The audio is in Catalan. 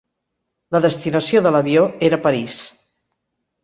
La destinació de l'avió era parís.